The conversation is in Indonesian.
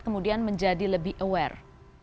kemudian menjadi lebih aware